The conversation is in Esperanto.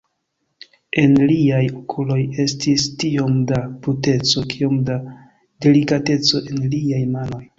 En liaj okuloj estis tiom da bruteco, kiom da delikateco en liaj manoj.